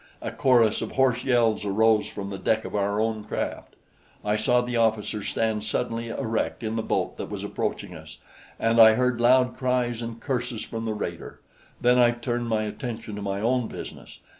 A chorus of hoarse yells arose from the deck of our own craft: I saw the officers stand suddenly erect in the boat that was approaching us, and I heard loud cries and curses from the raider. Then I turned my attention to my own business.